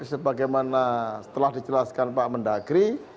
sebagaimana telah dijelaskan pak mendagri